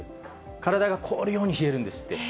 体が凍るように冷えるんですって。